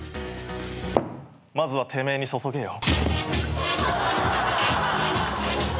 まずはてめえに注げよ。